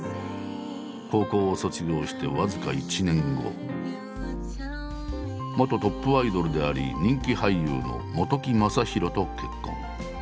高校を卒業して僅か１年後元トップアイドルであり人気俳優の本木雅弘と結婚。